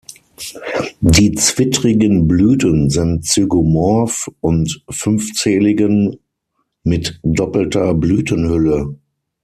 Die zwittrigen Blüten sind zygomorph und fünfzähligen mit doppelter Blütenhülle.